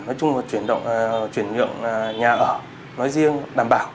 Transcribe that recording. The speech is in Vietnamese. nói chung là chuyển nhượng nhà ở nói riêng đảm bảo